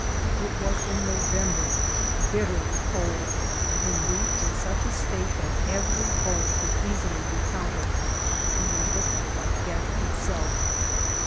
it was in November, bitterly cold, and we in such a state that every bone could easily be counted, and we looked like death itself.